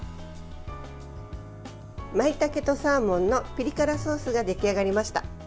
まいたけとサーモンのピリ辛ソースが出来上がりました。